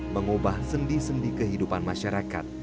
mengubah sendi sendi kehidupan masyarakat